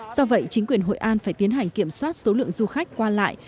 do vậy chính quyền hội an phải tiến hành kiểm soát số lượng du khách qua lại